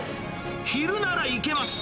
昼なら行けます。